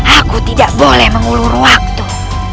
aku tidak boleh mengulur waktu